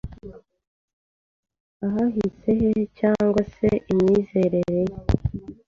Ahahise he cyangwa se imyizerere ye,